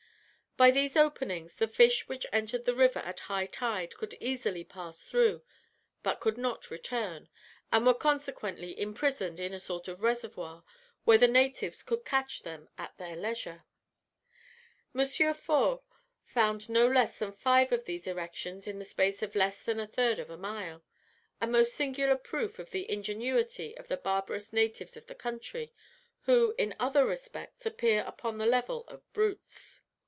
By these openings the fish which entered the river at high tide could easily pass through, but could not return, and were consequently imprisoned in a sort of reservoir, where the natives could catch them at their leisure. M. Faure found no less than five of these erections in the space of less than the third of a mile a most singular proof of the ingenuity of the barbarous natives of the country, who in other respects appear upon the level of brutes.